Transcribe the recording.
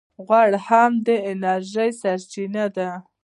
غوړ هم د انرژۍ سرچینه ده